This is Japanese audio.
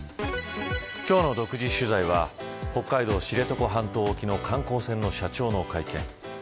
今日の独自取材は北海道知床半島沖の観光船の社長の会見。